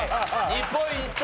２ポイント